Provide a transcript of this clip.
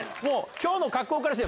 今日の格好からして。